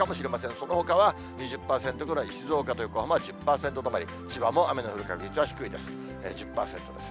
そのほかは２０％止まり、静岡と横浜は１０％止まり、千葉も降水確率は低いです。